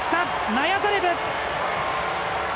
ナヤザレブ！